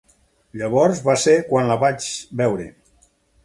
Llavors va ser quan la vaig veure.